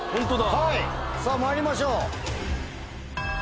はいさぁまいりましょう。